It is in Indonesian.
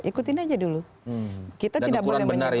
ikutin aja dulu kita tidak boleh menyebut